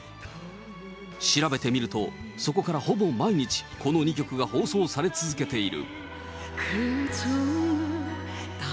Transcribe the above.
調べてみると、そこからほぼ毎日、この２曲が放送され続けている。